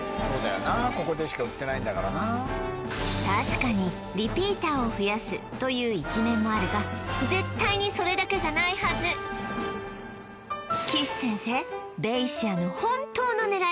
確かにリピーターを増やすという一面もあるが絶対にそれだけじゃないはず岸先生